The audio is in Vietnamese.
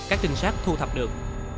các trinh sát thu thập được